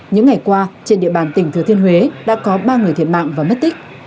những ngày qua trên địa bàn tỉnh thừa thiên huế đã có ba người thiệt mạng và mất tích